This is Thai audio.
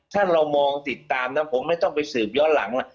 ถ้าเรามองติดตามนะผมไม่ต้องไปสืบย้อนหลังแล้ว